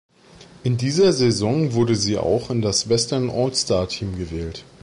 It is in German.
In dieser Saison wurde sie auch in das Western All-Star Team gewählt.